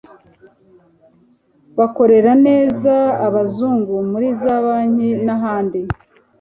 bakorera neza abazungu muri za banki n'ahandi